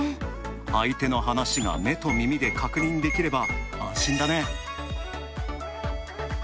相手の話が目と耳で確認できれば安心だね。